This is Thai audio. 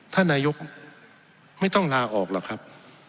ท่านนายกไม่ต้องลาออกหรอกครับ